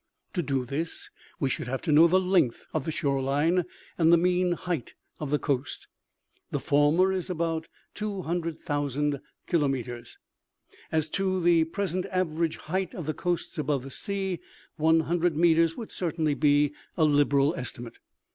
To do this, we should have to know the length of the shore line and the mean height of the coast. The former is about 200,000 kilometers. As to the present average height of the coasts above the sea, 100 meters would certainly be a liberal estimate.